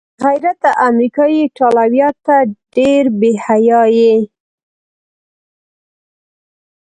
بې غیرته امریکايي ایټالویه، ته ډېر بې حیا یې.